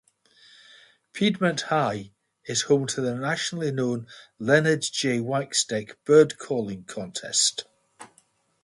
Piedmont High is home to the nationally known Leonard J. Waxdeck Bird Calling Contest.